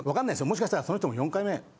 もしかしたらその人も。